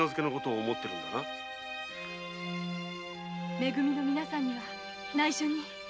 「め組」の皆さんには内緒に。